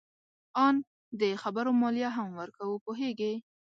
آن د خبرو مالیه هم ورکوو. پوهیږې؟